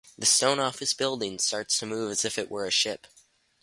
The stone office building starts to move as if it were a ship.